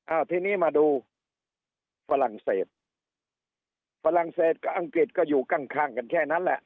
อ่าทีนี้มาดูฝรั่งเศสฝรั่งเศสกับอังกฤษก็อยู่ข้างข้างกันแค่นั้นแหละ